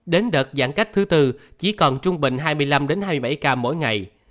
đến đợt giãn cách thứ tư chỉ còn trung bình hai mươi năm hai mươi bảy ca mỗi ngày